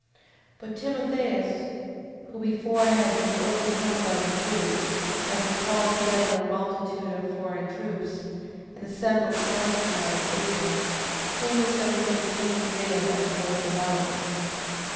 10:24. But Timotheus, who before had been overcome by the Jews, having called together a multitude of foreign troops, and assembled horsemen out of Asia, came as though he would take Judea by force of arms.